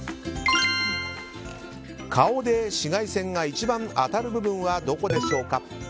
顔で紫外線が一番当たる部分はどこでしょうか？